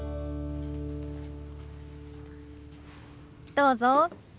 どうぞ。